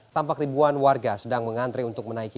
tampak ribuan warga sedang mengantre untuk menaiki